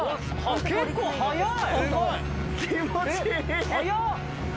結構速い。